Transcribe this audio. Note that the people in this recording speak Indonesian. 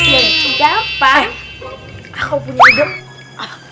jadi jawaban aku punya juga